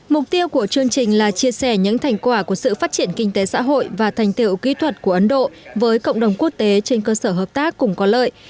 mục tiêu của chương trình là chia sẻ những thành quả của sự phát triển kinh tế xã hội và thành tiệu kỹ thuật của ấn độ với cộng đồng quốc tế trên cơ sở hợp tác cùng có lợi